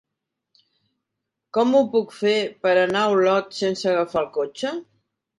Com ho puc fer per anar a Olot sense agafar el cotxe?